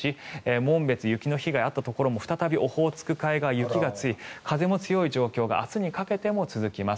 紋別、雪の被害があったところも再びオホーツク側雪が強い、風も強い状況が明日にかけても続きます。